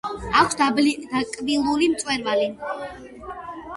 აქვს დაკბილული მწვერვალი.